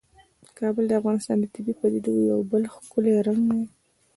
کابل د افغانستان د طبیعي پدیدو یو بل ښکلی رنګ دی.